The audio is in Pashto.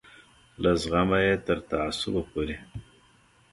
له زغمه یې تر تعصبه پورې.